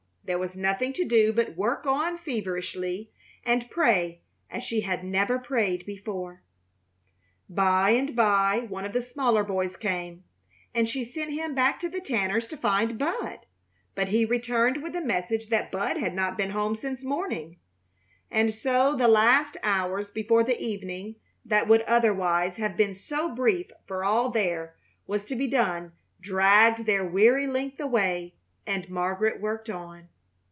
There was nothing to do but work on feverishly and pray as she had never prayed before. By and by one of the smaller boys came, and she sent him back to the Tanners' to find Bud, but he returned with the message that Bud had not been home since morning; and so the last hours before the evening, that would otherwise have been so brief for all there was to be done, dragged their weary length away and Margaret worked on.